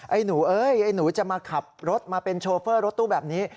หนูเอ้ยไอ้หนูจะมาขับรถมาเป็นโชเฟอร์รถตู้แบบนี้